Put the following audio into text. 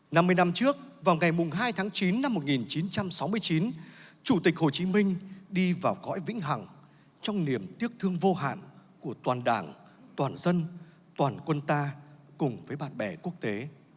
năm mươi năm trước vào ngày hai tháng chín năm một nghìn chín trăm sáu mươi chín chủ tịch hồ chí minh đi vào cõi vĩnh hằng trong niềm tiếc thương vô hạn của toàn đảng toàn dân toàn quân ta cùng với bạn bè quốc tế